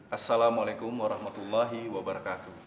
assalamualaikum warahmatullahi wabarakatuh